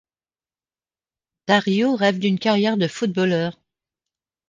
Dario rêve d’une carrière de footballeur.